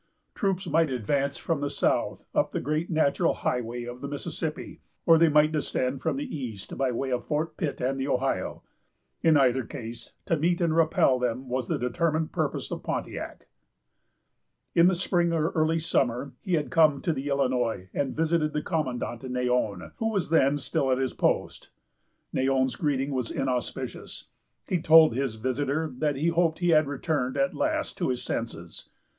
Troops might advance from the south up the great natural highway of the Mississippi, or they might descend from the east by way of Fort Pitt and the Ohio. In either case, to meet and repel them was the determined purpose of Pontiac. In the spring, or early summer, he had come to the Illinois and visited the commandant, Neyon, who was then still at his post. Neyon's greeting was inauspicious. He told his visitor that he hoped he had returned at last to his senses.